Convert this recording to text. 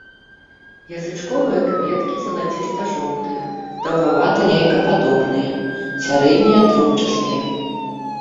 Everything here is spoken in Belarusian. Язычковыя кветкі залаціста-жоўтыя, даўгавата-яйкападобныя, сярэднія трубчастыя.